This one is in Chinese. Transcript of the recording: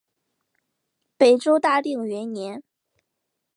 北周大定元年。